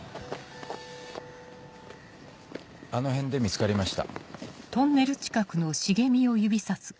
あの辺で見つかりました。